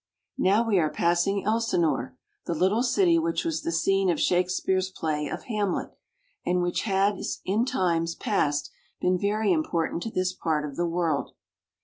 Now we are passing Elsinore, the little city which was the scene of Shakespeare's play of " Hamlet," and which has in times past been very important to this part of the world.